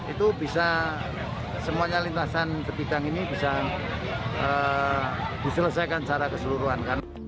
itu bisa semuanya lintasan sebidang ini bisa diselesaikan secara keseluruhan